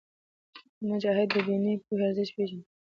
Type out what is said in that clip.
مجاهد د دیني پوهې ارزښت پېژني.